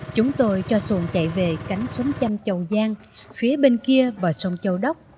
chúng tôi cho xuồng chạy về cánh sống châm châu giang phía bên kia vào sông châu đốc